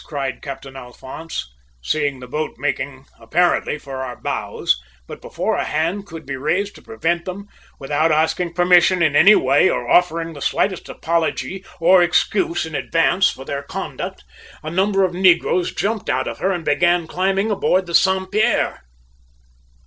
cried Captain Alphonse, seeing the boat making apparently for our bows, but before a hand could be raised to prevent them, without asking permission in any way or offering the slightest apology or excuse in advance for their conduct, a number of negroes jumped out of her and began climbing aboard the Saint Pierre.